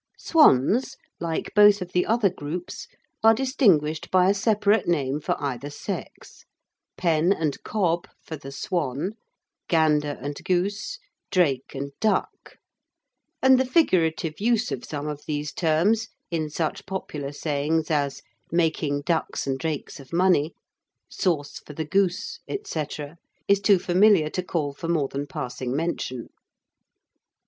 Swans, like both of the other groups, are distinguished by a separate name for either sex: pen and cob for the swan, gander and goose, drake and duck, and the figurative use of some of these terms in such popular sayings as "making ducks and drakes of money," "sauce for the goose," etc., is too familiar to call for more than passing mention.